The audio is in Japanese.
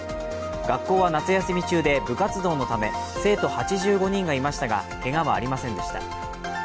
学校は夏休み中で部活動のため生徒８５人がいましたが、けがはありませんでした。